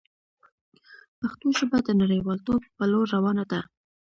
پښتو ژبه د نړیوالتوب په لور روانه ده.